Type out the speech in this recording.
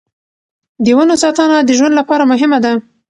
د ونو ساتنه د ژوند لپاره مهمه ده.